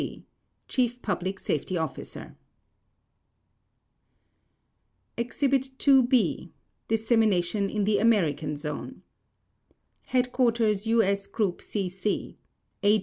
C. Chief Public Safety Officer Exhibit II B. Dissemination in the American Zone HQ. U.S. GROUP C.C. A.